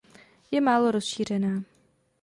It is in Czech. Je málo rozšířená.